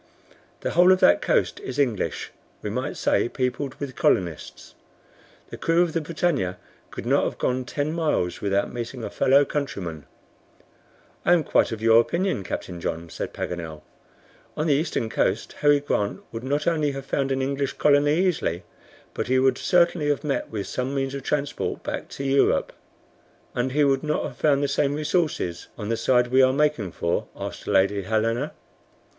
The whole of that coast is English, we might say, peopled with colonists. The crew of the BRITANNIA could not have gone ten miles without meeting a fellow countryman." "I am quite of your opinion, Captain John," said Paganel. "On the eastern coast Harry Grant would not only have found an English colony easily, but he would certainly have met with some means of transport back to Europe." "And he would not have found the same resources on the side we are making for?" asked Lady Helena.